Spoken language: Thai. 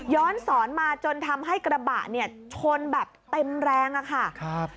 ย้อนสอนมาจนทำให้กระบะชนแบบเต็มแรงค่ะ